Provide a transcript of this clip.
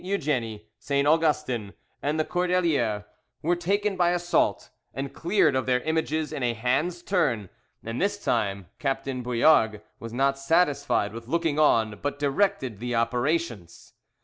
Eugenie, St. Augustin, and the Cordeliers were taken by assault, and cleared of their images in a hand's turn; and this time Captain Bouillargues was not satisfied with looking on, but directed the operations.